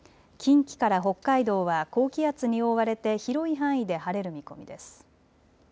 近畿から北海道は高気圧に覆われて広い範囲で晴れる見込みです。